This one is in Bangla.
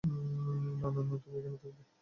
না, না, না, তুমি এখানে থাকবে।